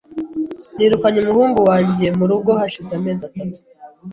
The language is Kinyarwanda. Nirukanye umuhungu wanjye mu rugo hashize amezi atatu .